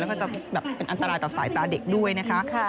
แล้วก็จะแบบเป็นอันตรายต่อสายตาเด็กด้วยนะคะ